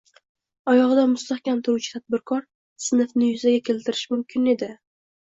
oyog‘ida mustahkam turuvchi tadbirkor sinfni yuzaga keltirishimiz mumkin edi